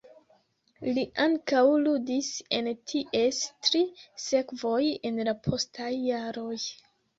Li ankaŭ ludis en ties tri sekvoj en la postaj jaroj.